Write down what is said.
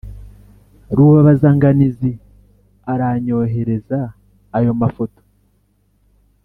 Rubabazanganizi aranyohereza ayo mafoto